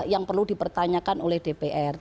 yang perlu dipertanyakan oleh dpr